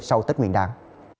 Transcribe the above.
sau tết nguyễn đảng